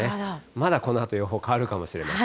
まだこのあと予報変わるかもしれません。